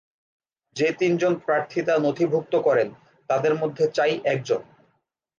যে তিনজন প্রার্থীতা নথিভুক্ত করেন তাদের মধ্যে চাই একজন।